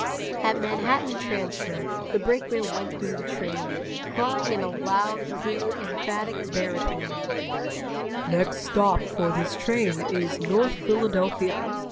At Manhattan Transfer the brakeman went through the train, crying in a loud, clear, emphatic barytone: "Next stop for this train is North Philadelphia!"